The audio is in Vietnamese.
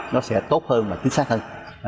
nó sẽ tốt hơn và chính xác hơn